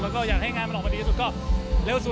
แล้วก็อยากให้งานมันออกมาดีที่สุดก็เร็วสุด